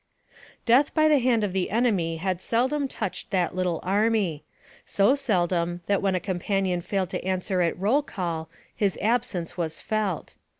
Death by the hand of the enemy had seldom touched that little army so seldom, that when a companion failed to answer at roll call, his absence was felt.